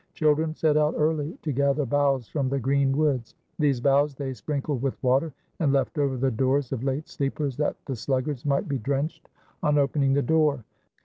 Children set out early to gather boughs from the green woods. These boughs they sprinkled with water and left over the doors of late sleepers that the sluggards might be drenched on opening the door.